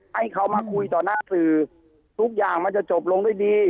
ให้เขามาคุยต่อหน้าสื่อทุกอย่างมันจะจบลงด้วยดี